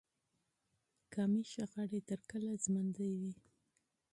قومي شخړې تر کله ژوندي وي.